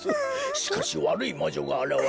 しかしわるいまじょがあらわれ